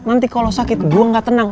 nanti kalau sakit gue gak tenang